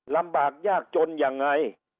ลำบากยากจนยังไง